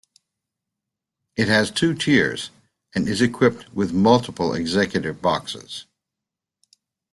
It has two tiers and is equipped with multiple executive boxes.